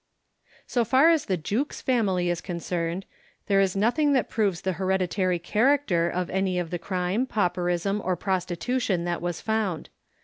So far as the Jukes family is concerned, there is nothing that proves the hereditary character of any of the crime, pauperism, or prostitution that was found.